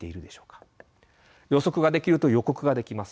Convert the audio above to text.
予測ができると予告ができます。